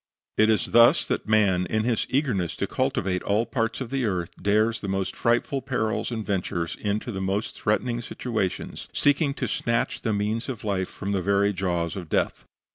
It is thus that man, in his eagerness to cultivate all available parts of the earth, dares the most frightful perils and ventures into the most threatening situations, seeking to snatch the means of life from the very jaws of death.